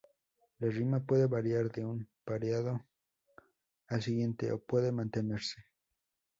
La rima puede variar de un pareado al siguiente, o puede mantenerse.